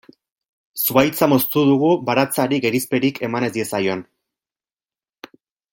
Zuhaitza moztu dugu baratzari gerizperik eman ez diezaion.